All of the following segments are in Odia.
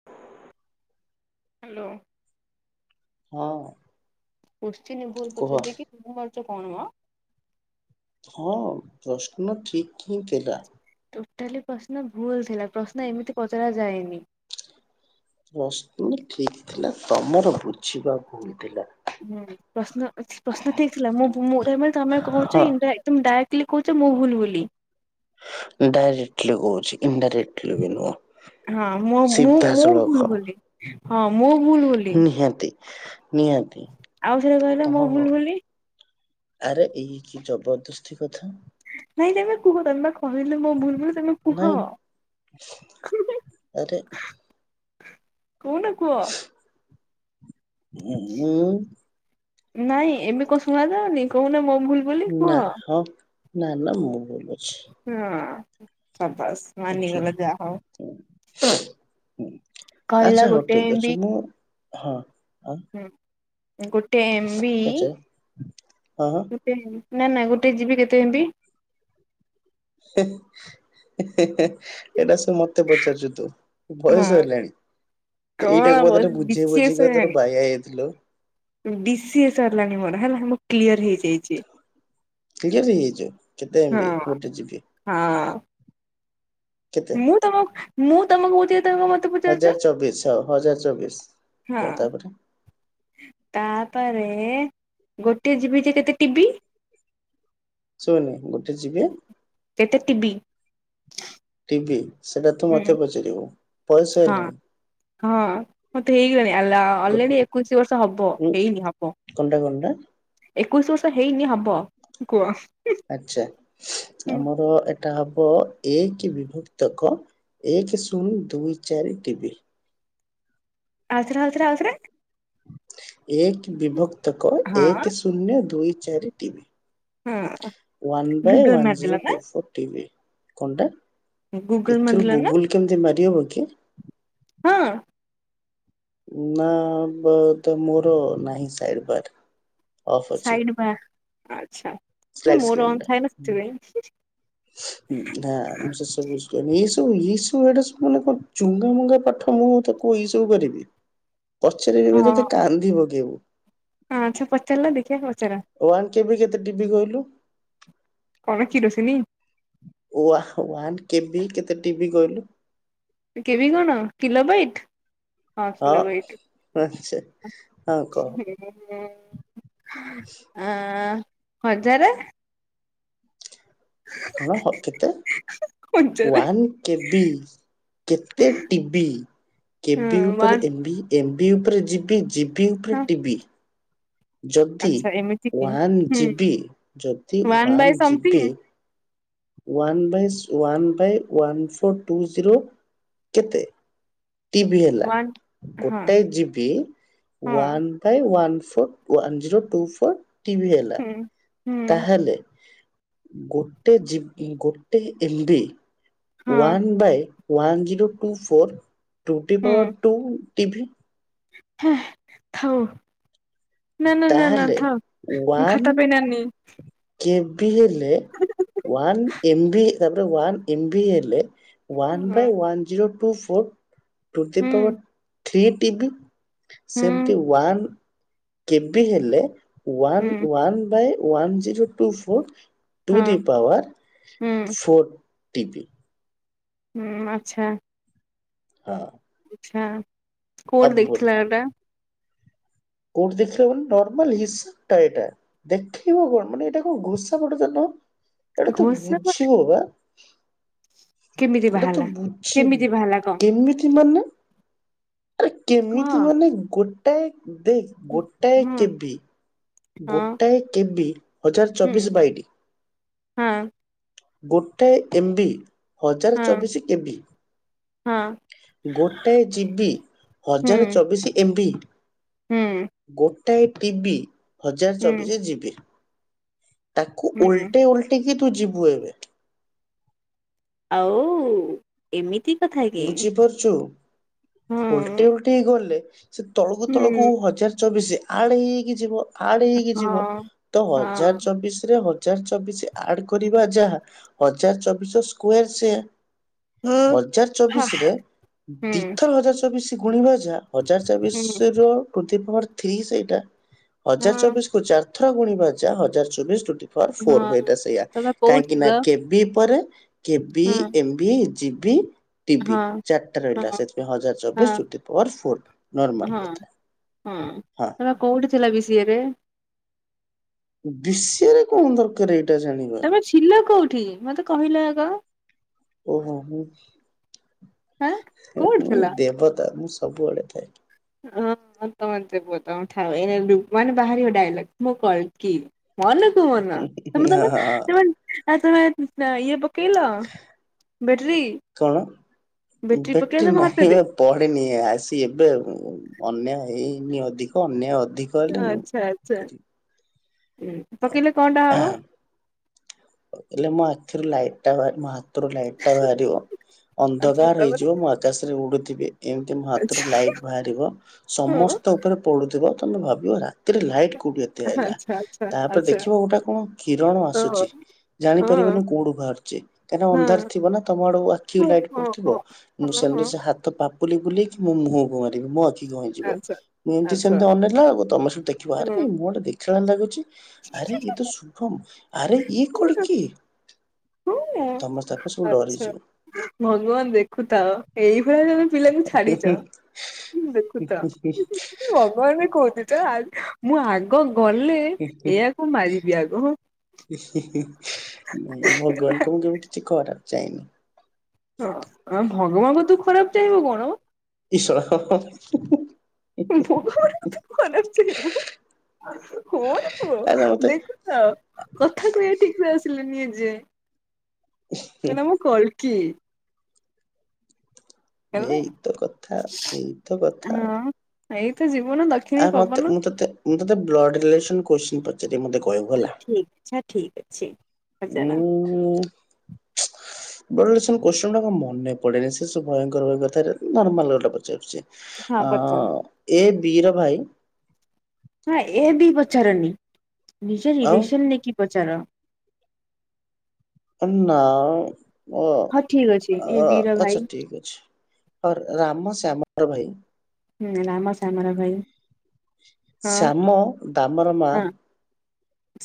[inaudible] ହ୍ୟାଲୋ। ହଁ। କୋତ୍ସିନ ଭୁଲ କୁହ ପଚାରିଦେଇକି ମୁହଁ ମାରୁଛ କଣ ମ। ହଁ ପ୍ରଶ୍ନ ଠିକ୍ ହିଁ ଥିଲା। ଟୋଟାଲି ପ୍ରଶ୍ନ ଭୁଲ ଥିଲା ପ୍ରଶ୍ନ ଏମିତି ପଚରା ଯାଏନି। ପ୍ରଶ୍ନ ଠିକ ଥିଲା ତମର ବୁଝିବା ଭୁଲ ଥିଲା। ହୁଁ ପ୍ରଶ୍ନ ଛି ପ୍ରଶ୍ନ ଠିକ ଥିଲା ମୁଁ ବୁ ମୁଁ ମାନେ ତମେ କହୁଛ ହଁ ଇଂଡାଇ ତମେ ଡାଇ ରେକ୍ଟିଲ କହୁଚ ମୁଁ ଭୁଲ ବୋଲି। ଡାଇରେକ୍ଟଲି କହୁଚି ଇନଡାଇରେକ୍ଟଲି ବି ନୁହଁ। ହଁ ମୁ ମୁଁ ମୁଁ ସିଧାସଳଖ ଭୁଲ ବୋଲି ହଁ ମୁଁ ଭୁଲ ବୋଲି। ନିହାଁ ଆଉ ଥରେ କହିଲ ମୁଁ ଭୁଲ ବୋଲି। ଆରେ ଏଇ କି ଜବରଦସ୍ତି କଥା। ନାଇଁ ତମେ କୁହ ତମେ ପା କହିଲ ମୁଁ ଭୁଲ ବୋଲି ତୁମେ କୁହ। ନାଇଁ ଆରେ କଉନ କୁଅ। ହୁଁ ନାଇଁ ଏବେ କଁ ଶୁଣାଯାଉନି କହୁନ ମୋ ଭୁଲ୍ ନା ହଁ ନା ନା ମୁଁ ଭୁଲ ଅଛି। ହଁ ଶାବାସ ଆଚ୍ଛା ମାନିଗଲ ଯା ହଉ। [unintelligible] କହିଲା ଆଚ୍ଛା ହଉ ଗୋଟେ ଠିକ ବି ଅଛି ମୁଁ ହଁ ଆଁ। ହୁଁ। ଗୋଟେ ଏମବି ପଚାର ହଁ। ସେଇ ନା ନା ଗୋଟେ ଜି ବି କେତେ ଏମ୍ବି। ହେ ହେ ହେ ହେ ଏଟା ସବୁ ମତେ ପଚାରୁଚୁ ତୁ। ହଁ ବୟସ ହେଲାଣି କଣ ଏଇଟାକୁ ବା ତତେ ବୁଝେଇ ବିସିଏସ୍ ବୁଝିଇକି ତୋର ବାୟା ହେଇଯାଇଥିଲୁ। ବି ସି ଏ ସରିଲାଣି ମୋର ହେଲା ମୁଁ କ୍ଲିୟର ହେଇଯାଇଛି। କ୍ଲିୟର୍ ହେଇଯାଇଚୁ କେତେ ଏମ୍ବି ହଁ ଗୋଟେ ଜି ବି। ହଁ। କେତେ ମୁଁ ତମ ମୁଁ ତମକୁ କହୁଛି ତମେ ମତେ ପଚାରୁଛ ହଜାର ଚବିଶ ହ ହଜାର ଚବିଶ ହଁ କହ ତାପରେ। ତାପରେ ଗୋଟେ ଜିବି ଯେ କେତେ ଟିବି? ଶୁଭୁନି ଗୋଟେ ଜିବି କେତେ ଟିବି? ଟିବି ସେଟା ତୁ ହୁଁ ମତେ ପଚାରିବୁ ବୟସ ହଁ ହେଲାଣି। ହଁ ମତେ ହେଇଗଲାଣି ଆଲାଉ ଗୋ ଅଲରେଡି ଏକୋଇଶି ବର୍ଷ ହବ ଉଁ ହେଇନି ହବ। କଣଟା କଣଟା? ଏକୋଇଶି ବର୍ଷ ହେଇନି ହବ କୁହ। ଆଚ୍ଛା ଆମର ଏଇଟା ହବ ଏକେ ବିଭକ୍ତକ ଏକେ ଶୂନ ଦୁଇ ଚାରି ଟିବି। ଆଉଥରେ-ଆଉଥରେ-ଆଉଥରେ। ଏକ ବିଭକ୍ତକ ହଁ ଏକ ଶୂନ୍ୟ ଦୁଇ ଚାରି ଟିବି। ହଁ one by one zero two four TB କଣଟା? ଏଥିରୁ ଗୁଗୁଲ କେମିତି ମାରି ହବ କି? ହଁ। ନା ବୋଧେ ମୋର ନାହିଁ ସାଇଡ ବାର। ସାଇଡ ବା ଆଚ୍ଛା ନା ସ୍ଲାଇଡ୍ ମୋର ସ୍କ୍ରିନ୍ ଅନ୍ ଟା ଥାଏ ନା ସେଥିପାଇଁ। ନା ମୁଁ ସେସ [unintelligible] ଇଏ ସବୁ ଇଏ ସବୁ ଏଇଟା ସ୍କୁଲରେ ଙ୍କ କଣ ଚୁଙ୍ଗା ମୁୁଙ୍ଗା ପାଠ ମୁଁ ତାକୁ ଇଏ ସବୁ କରିବି। [inaudible] ପଚାରିବି ଏବେ ଯଦି କାନ୍ଦି ପକେଇବୁ। ହଁ ଆଚ୍ଛା ପଚାରିଲ ଦେଖିବା ପଚାର। ୱାନ୍ କେବି କେତେ ଟିବି କହିଲୁ? କଣ କିରୋସିନି? ୱା ୱାନ୍ କେବି କେତେ ଟିବି କହିଲୁ? କେବି କଣ କିଲୋ ବାଇଟ? ହଁ [unintelligible] ଆଁ ହଜାରେ। [inaudible] କଣ ହ କେତେ? ହଜାରେ ୱନ୍ କେବି କେତେ ଟିବିି ହଁ କେବି ଉପରେ ୱାନ୍ ଏମ୍ବି ଏମ୍ବିି ଉପରେ ଜିବି ଜିବି ହଁ ଉପରେ ଟିିବି। ଯଦି ଆଚ୍ଛା ଏମିତି କି ୱାନ୍ ହୁଁ ଜିବି ଯଦି by one something GB one by one by one four two zero କେତେ? ଟିବି ହେଲା ୱାନ୍ ହଁ ଗୋଟାଏ ଜିବି ୱାନ୍ ହଁ one by one four one zero two four TB ହେଲା। ହୁଁ। ହୁଁ ତାହେଲେ ଗୋଟେ ଜିବି ଗୋଟେ ଏମ୍ବି ହଁ one by one zero two four ଟୁଟିୱର୍ two TB. ହୁଁ ଥାଉ। ନା-ନା-ନା-ନା ତାହେଲେ ଥାଉ ମୁଁ ଖାତା ୱାନ୍ ପେନ୍ ଆଣିନି। କେବି ହେଲେ ୱାନ୍ ଏମ୍ବି ତାପରେ ୱାନ୍ ଏମ୍ବି ହେଲେ one by one zero two four to the ହୁଁ ପାୱାର ଥ୍ରୀ ଟିବି ହୁଁ ସେମିତି ୱାନ୍ କେବି ହେଲେ ହୁଁ one one by one zero two four ହଁ ଟୁ ଦି ପାୱାର୍ ହୁଁ ଫୋର୍ ଟିବି। ଉଁ ଆଚ୍ଛା। ହଁ। ହଁ ଆଉ କୋଉଠି ଦେଖ୍ ବୋଲ ଥିଲା ଏଇଟା? କୋଉଠି ଦେଖିଥିଲ ମାନେ ନର୍ମାଲ୍ ହିସାବ ଟା ଏଇଟା। ଦେଖିବ କଣ ମାନେ ଏଇଟା କଣ ଘୋଷାପାଠ ତ ନୁହଁ ଏଇଟା ତୁ ଘୋଷ ବୁଝିବ ବା। କେମିତି ଏଟା ତୁ ବାହାରିଲା? ବୁଝିବୁ କେମିତି ବାହାରିଲା କହ କେମିତି ମାନେ। ଆରେ କହ କେମିତି ମାନେ ଗୋଟାଏ ଦେ ହୁଁ ଗୋଟାଏ ହଁ କେବି। ଗୋଟାଏ କେବି ହଜାର୍ ହୁଁ ଚବିଶ୍ ବାଇଟି। ହଁ ଗୋଟାଏ ଏମ୍ବି ହଜାରେ ହଁ ଚବିଶ୍ କେବି। ହଁ ଗୋଟାଏ ଜିବି ହୁଁ ହଜାରେ ଚବିଶି ଏମ୍ ବିି। ହୁଁ ଗୋଟାଏ ଟିିବି ହଜାର୍ ହୁଁ ଚବିଚ୍ ଯିବି। ତାକୁ ହୁଁ ଓଲ୍ଟେଇ ଓଲ୍ଟେଇ କିି ତୁ ଯିବୁ ଏବେ। ଆଉ ଏମିତି ତ ଥାଏ। ବୁଝି ପାରୁଚୁ। ଓଲ୍ଟେଇ ଓଲ୍ଟେଇ ଗଲେ ସେ ତଳକୁ ହୁଁ ତଳକୁ ହଁ। ହଜାର୍ ଚବିଶି ଆଡ଼ ହେଇ ହେଇକି ଯିବ। ଆଡ଼ ହେଇକି ଯିବ ହଁ ତ ହଜାର୍ ହଁ ଚବିଶ୍ ରେ ହ ଚାର୍ ଚବିଶି ଆଡ଼ କରିବା ଯାହା ହଜାର ଚବିଶ ସ୍କୁ ୟାର୍ ସେୟା। ଅଜାର ହା ଚବିଶ୍ ରେ ହୁଁ ଦ୍ୱିଥର ହଜାର୍ ଚବିଶି ଗୁଣିବା ଯା ଅଜାର୍ ହୁଁ ଚାବିଶି ର ଉଦିପର୍ ଥ୍ରୀ ସେଇଟା ଅଜାର୍ ହଁ ଚବିଶ୍ କୁ ଚାର୍ ଥର ଗୁଣିବା ଯା ହଜାର୍ ଚବିଶ୍ ଟୁଟି ଅର୍ ଫୋର୍ ହଁ। ଏଇଟା ସେଇୟା ତମେ କୋଉଠି କାଇଁକିନା ଥିଲ କେବି ପରେ କେବି ହଁ ଏମ୍ ବି ଜିବି। ଟିବି ହଁ ଚାର୍ଟା ହଁ ରଇଲା ସେଥିରୁ ହଜାର୍ ହଁ ଚବିଶ୍ ସୁଟି ଫୋର୍ସ ଫୋର୍ ନର୍ମାଲ୍। ହଁ। ହଁ ଏବା କୋଉଟି ଥିଲା ବି ସିଏ ବେ। ଦିଶେରେ କଁ ଦରକାର୍ ଏଇଟା ଜାଣିବା। ଏ ଛିଲ କୋଉଠି ମତେ କହିଲା ଆଗ। ଓହୋ ହୁ ହାଁ ଉ କୋଉଠି ମୁଁ ଥିଲ? ଦେବତା ମୁଁ ସବୁଆଡ଼େ। [unintelligible] ମାନେ ବାହାରିବ ଡାଇଲଗ୍ ମୁଁ କଲ୍କି। ମନକୁ ମନ ତମେ ତମ ହଁ ତମେ ଆ ତମ ଇଏ କିଲ ବେଟ୍ରୀ। କଣ ବେଟ୍ରି ହାତରେ? ନାହିଁବା। ପଡ଼େନି ଆ ସି ଏବେ ଅନ୍ୟାୟ ଏଇନି ଅଧିକ ଅନ୍ୟାୟ ଅଧି ଆଁ ଚ୍ଛା ଆଚ୍ଛା ପକେଇଲେ କଆଁଟା ହବ। ପକେଇଲେ ମୋ ଆଖିରୁ ଲାଇଟ୍ ଟା ବାଆରିବ ମୋ ହାତରୁ ଲାଇଟ୍ ଟା ବାହାରିବ ଆଚ୍ଛା ଅନ୍ଧକାର୍ ତାପରେ ହେଇଯିବ ମୋ ଆକାଶରେ ଉଡ଼ୁ ଥିବେ ଏମ୍ତି ମୋ ହାତରୁ ଆଚ୍ଛା ଲାଇଟ୍ ବାହାରିବ ହଁ ସମସ୍ତ ଉପରେ ପଡୁଥିବା ତମେ ଭାବିଅ ରାତିରେ ଲାଇଟ୍ କୋଡ଼ି ତେ ଆଇଲା ଆଚ୍ଛା ଆଚ୍ଛା ତାପଏ ଆଚ୍ଛା ଦେଖିବ ଗୋଟା କଣ କିରଣ ଓହୋ ଆସୁଚି। ହଁ ଜାଣିପାରିବନି କୋଉଠୁ ବାହାରୁଛି କାହିଁକି ହଁ ଅନ୍ଧାର ଥିବ ନା ତମ ଆଡକୁ ଆଖି ହଁ ଲାଇଟ୍ ହଁ ପଡୁଥିବ ହଁ ମୁଁ ହଁ ହଁ ସେନେରେ ସେ ହାତ ପାପୁଲି ବୁଲିକି ମୋ ମୁହଁକୁ ମାରିବି ମୋ ଆଖି ଆଖି କଣ ହେଇଯିବ ଆଚ୍ଛା ମୁଁ ଏମିତି ଆଚ୍ଛା ସେମିତି ଅନେଇଲାଆଡ଼ୁ ତମେ ସବୁ ଦେଖିବ ଆରେ ହୁଁ। ମୁହଁଟା ଗୋଟେ ଦେଖିଲା ଭଳିଆ ଲାଗୁଛି। ଆରେ ଏ ତ ସୁୁଭମ ଆରେ ଇଏ କଳିକ୍? ହଁ ତମେ ତାକୁ ସବୁ ଆଚ୍ଛା ଡରିଯିବ। ଭଗବାନ ଦେଖୁଥାଅ ଏଇଭଳିଆ ପିଲାଙ୍କୁ ଛାଡିଚ ଦେଖୁ ତା ଅ ଭଗବାନ କହୁଚିତ ମୁଁ ଆଗ ଗଲେ ଏଇଆକୁ ମାରିବି ଆଗ ହ। ନାଇଁ ଭଗବାନଙ୍କ ମୁଁ କେ କିଛି ଖରାପ ଚାହିଁନି। ହଁ ଆ ଭଗବାନଙ୍କ ତୁ ଖରାପ ଚାହିଁବୁ କଣ। ଈଶ୍ୱର ହୁଏ। ଭଗବାନକୁ ବି ଖରାପ ଚାହିଁବୁ କଣ ଆରେ ମତେ କହୁଦି ଆ କଥା କହିବା ଠିକ ସେ ଆସିଲାନି ଏ ଯାଏ। କହିଲା ମୁଁ କଳ୍କୀ। ହେଲା ଏଇତ କଥା ଏଇତ କଥା ଆଉ ହଁ ଏଇ ତ ଜିବନ ଲ ଆ ମତେ ମୁଁ ତତେ ମୁଁ ତତେ ବ୍ଲଡ ରିଲେସନ କୋତ୍ସିନ ପଚାରି ମତେ କହିବୁ ହେଲା। ଇଚ୍ଛା ଠିକ୍ ଅଛି। ପଚାର ଉଁ ବ୍ଲଡ ରିଲେସନ କୋଶ୍ଚିନଗୁଡା ମନେ ପଡେନି ସେ ସବୁ ଭୟଙ୍କର କଥା ନର୍ମାଲଟା ପଚାରୁଛି। ହଁ ଆ ପଚାର ଏ ବିର ଭାଇ ହଁ ଏ ବି ପଚାରନି ନିଜ ଆଉ ରିଲେସନ ନେଇକି ପଚାର। ନା ଓ ହଁ ଠିକ ଅଛି ଏ ବୀର ଭାଇ ଆଛା ଠିକ ଅଛି। ରାମ ଶ୍ୟାମର ଭାଇ ହୁଁ ରାମ ଶ୍ୟାମ ର ଭାଇ ହଁ ଶ୍ୟାମ ଦାମର ମା ହଁ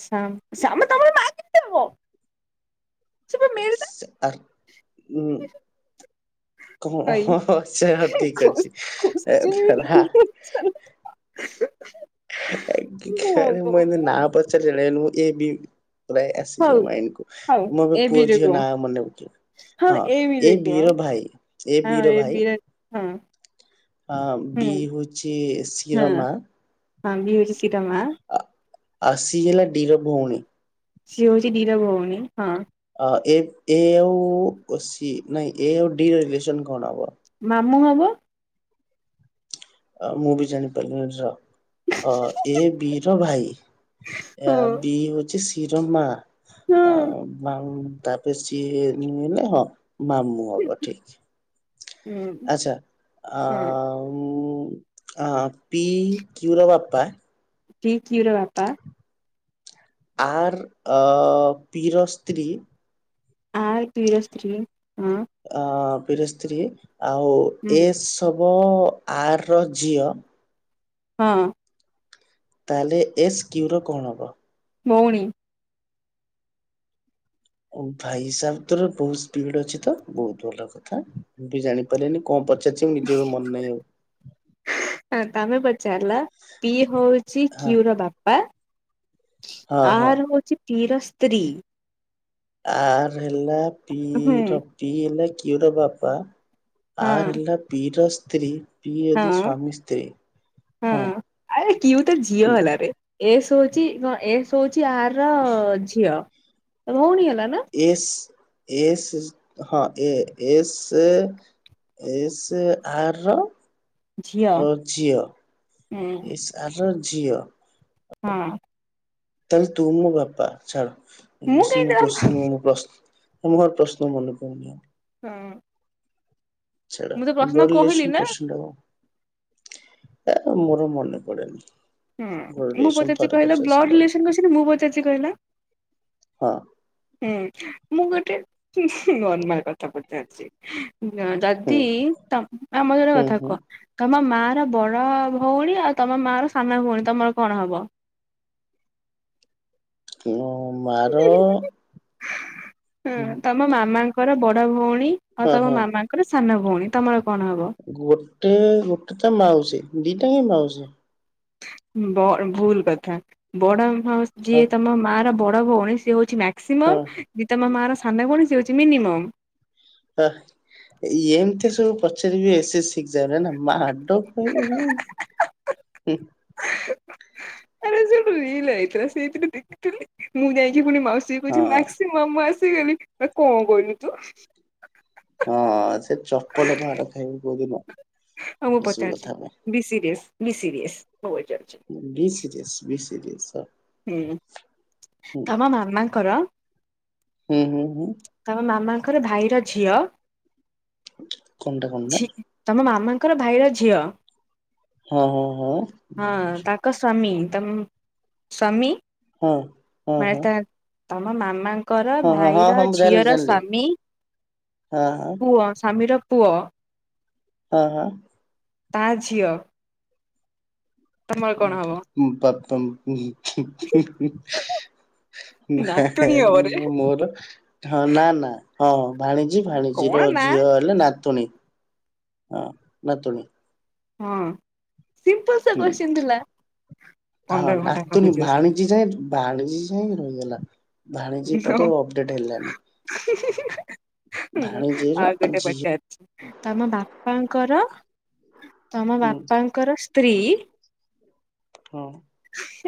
ଶ୍ୟାମ ଦାମର ମା [unintelligible] ସା ଆର୍ ଉଁ। ହଁ ଭାଇ ହଁ ସେ ଠିକ କୋଶ୍ଚିନ୍ ବି ଅଛି। [unintelligible] କାଳେ ମୁଁ ଏମିତି ନା ପଚାରି [unintelligible] ଏ ବି ହଉ ଆସିଯିବ ମାଇଣ୍ଡ କୁ ହଉ ମୁଁ ଏବେ ଏ ପୁଅ ବିରେ ଝିଅ କୁହ ନା ମନେ ହଁ ଏ ବିର ଭାଇ ଏ ହଁ ବିର ଭାଇ ବିରେ ହୁଁ। ଅ ବି ହଉଛି ହଁ ଶିର ମା। ହଁ ବି ହେଉଛି ସି ର ମା। ସି ହେଲା ଡୀର ଭଉଣୀ। ସି ହଉଛି ଡି ର ଭଉଣୀ ହଁ। ଏ ଆଉ ସି ନାଇଁ ଏ ଆଉ ଡିି ର ରିଲେସନ କଣ ହବ? ମାମୁଁ ହବ। ଅ ମୁଁ ବି ଜାଣିପାରିଲିନି ର ଅ ଏ ବିର ଭାଇ ଆ ହଁ ବି ହଉଛି ସିର ମା ହଁ ଆମ ତାପରେ ସିଏ ନୁହ ହଁ ମାମୁଁ ହବ ଠିକ। ଆଚ୍ଛା ଆ ହଁ ଉ ଅ ପି କ୍ୟୁର ବାପା। ପି କ୍ଯୁ ର ବାପା। ଆର ଅ ପି ର ସ୍ତ୍ରୀ। ଆର୍ ପିର ସ୍ତ୍ରୀ ହଁ। ଅ ପିର ସ୍ତ୍ରୀ ଆଉ ଏସ ହବ ଆର ର ଝିଅ। ହଁ। ତାହେଲେ ଏସ୍ କ୍ୟୁର କଣ ହବ? ଭଉଣୀ। ଭାଇସାବ ତୋର ବହୁତ ସ୍ପିଡ ଅଛି ତ ବହୁତ ଭଲ କ କଥା ମୁଁ ବି ଜାଣିପାରିଲିନି କଣ ପଚାରୁଛି ମୁ ନିଜର ମନ ନାହିଁ ଆଉ। ତମେ ପଚାରିଲ ପି ହଉଛି ହଁ। କ୍ୟୁର ବାପା। ହଁ ହଁ ଆର୍ ହଉଛି ପିର ସ୍ତ୍ରୀ। ଆର୍ ହେଲା ହୁଁ ପିର ପି ହେଲା କ୍ୟୁର ବାପା। ହଁ ଆର ହେଲା ପୀର ସ୍ତ୍ରୀ। ପି ଯଦି ହଁ ସ୍ଵାମୀ ସ୍ତ୍ରୀ ହଁ ଆରେ କ୍ୟୁ ତ ଝିଅ ପି ହେଲାରେ ଏସ୍ ହଉଛି କ ଏସ୍ ହଉଛି ଆର ର ଝିଅ ଭଉଣୀ ହେଲା ନା। ଏସ୍ ଏସ ହଁ ଏ ଏସେ ଏସ୍ ଆର ଝିଅ ର ଝିଅ ହୁଁ ଏସ ଆର୍ ର ଝିଅ। ହଁ। ତାହାଲେ ତୁ ମୋ ବାପା ଛାଡ ମୁଁ କାହିଁକି [unintelligible] ହଁ କୋତ୍ସିନ୍ ପ୍ରଶ୍ନ ଆ ମୋର ପ୍ରଶ୍ନ ମନେ ପଡୁନି ଆଉ। ହଁ ଅଁ। ଛାଡ଼, କହିଲି [unintelligible] ନା କୋଶ୍ଚନି ଟା କ। ଆ ମୋର ମନେ ପଡେନି। ବ୍ଲଡ୍ ହୁଁ ମୁଁ ରିଲେସନ୍ ପଚାରୁଚି ଥରେ କହିଲ, ବ୍ଲଡ ପଚାରିସାରିଲା ପରେ ରିଲେସନ କୋସଚିନି ମୁଁ ପଚାରୁଚି କହିଲ? ହଁ। ହୁଁ, ମୁଁ ଗୋଟେ ନରମାଲ କଥା ପଚାରୁଛି? ଯଦି ହୁଁ ଆମ [unintelligible] ହୁଁ କଥା ହୁଁ କୁହ? ତମ ମା ର ବଡ ଭଉଣୀ ଆଉ ତମ ମା ର ସାନ ଭଉଣୀ ତମର କଣ ହବ? ମୋ ମାର ଙ୍କର ବଡ ଭଉଣୀ ଆଉ ହଁ ତମ ହଁ ମାମାଙ୍କର ସାନ ଭଉଣୀ ତମର କଣ ହବ? ଗୋଟେ ଗୋଟେ ତ ମାଉଛି ଦିଟା ହିଁ ମାଉଛି। ଭୁଲ କଥା, ବଡ ମାଉସି ହଁ ଯିଏ ତମ ମା ର ବଡ ଭଉଣୀ ସିଏ ହଉଛି ମାକ୍ସିମମ୍, ହଁ। ଯିଏ ତମ ମା ର ସାନ ଭଉଣୀ ସେ ହଉଛି ମିନିମମ୍। ହ ଏମିତି ସବୁ ପଚାରିବି ଏସ ସି। [unintelligible] [unintelligible] ସେଇଥିରେ ଦେଖିଥିଲି, ମୁଁ ଯାଇକି ପୁଣି ମାଉସୀ ହଁ କହୁଛି [unintelligible] ମା ମୁଁ ଆସିଗଲି, ନା କଣ କହିଲୁ ତୁ? ହଁ, ସେ ଚପଲ ପାହାର ଖାଇବୁ କୋଉଦିନ? ହଁ ମୁଁ ଏସବୁ କଥା ପଚାରୁଛି ପାଇଁ ବି ସିରିଏସ, ବିି ସିରିଏସ, [unintelligible] ବି ସିରିସ୍ ବି ସିରିୟସ୍। ହୁଁ, ହୁଁ ତମ ମାମାଙ୍କର ହୁଁ ହୁଁ ହୁଁ। ତମ ମାମାଙ୍କର ଭାଇର ଝିଅ କଣଟା କଣଟା ତମ ମାମାଙ୍କର ଭାଇର ଝିଅ, ହଁ ହଁ ହଁ ତାଙ୍କ ସମୀ ତ ସମୀ ହଁ ଅଁ। [unintelligible] ତମ ମାମା ଙ୍କର ହଁ ହଁ ଭାଇର ହଁ ମୁଁ ଜାଣିଲି ଝିଅର ଜାଣିଲି ସ୍ୱାମୀ ହଁ ପୁଅ, ସ୍ୱାମୀର ପୁଅ ଅ ଅ ତା ଝିଅ ତମର କଣ ହବ? ପପମ୍ [unintelligible] ନା ନାତୁଣୀ ହବରେ ମୋର ହଁ ନା ନା ହଁଁ, ଭାଣିଜୀ ଭାଣିଜୀ ର କଣ ନା ଝିଅ ହେଲେ ନାତୁଣୀ ହଁ ନାତୁଣୀ। ହଁ, ସିମ୍ପଲ ସା ହୁଁ କୋଶଚିନି ଥିଲା। ଭାଣିଜି ରହିଗଲା, ଭାଣିଜି ପରେ ଆ ଅପଡେଟ ହେଲାନି। ହୁଁ, ଭାଣିଜୀର ଆଉ ଗୋଟେ ଝିଅ ପଚାରୁଛି? ତମ ବାପାଙ୍କର, ତମ ହୁଁ ବାପାଙ୍କର ସ୍ତ୍ରୀ ହଁ ଅ।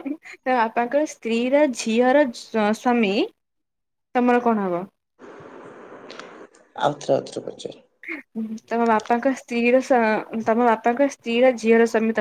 ତମ ବାପାଙ୍କର ସ୍ତ୍ରୀ ର ଝିଅର ସ୍ୱାମୀ ତମର କଣ ହବ? ଆଉଥରେ, ଆଉଥରେ ପଚାର? ତମ ବାପାଙ୍କ ସ୍ତ୍ରୀର ତମ ବାପାଙ୍କ ସ୍ତ୍ରୀର ଝିଅର ସ୍ୱାମୀ ତମ